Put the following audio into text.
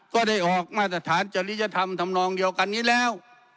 ก็ได้ออกมาตรฐานจริยธรรมทำนองเดียวกันนี้แล้ว